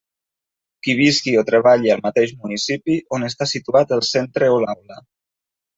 Qui visqui o treballi al mateix municipi on està situat el centre o l'aula.